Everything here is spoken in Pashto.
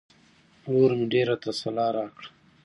ورور مې ډېره تسلا راکړه.